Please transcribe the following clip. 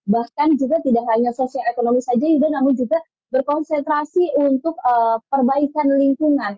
bahkan juga tidak hanya sosial ekonomi saja yuda namun juga berkonsentrasi untuk perbaikan lingkungan